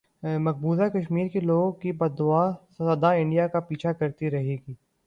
مقبوضہ کشمیر کے لوگوں کی بددعا سدا انڈیا کا پیچھا کرتی رہے گی